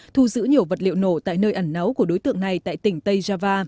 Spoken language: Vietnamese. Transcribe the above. thu giữ nhiều vật liệu nổ tại nơi ẩn náu của đối tượng này tại tỉnh tây java